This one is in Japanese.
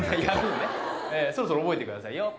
「ヤフー」ねそろそろ覚えてくださいよ。